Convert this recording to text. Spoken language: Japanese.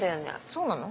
そうなの？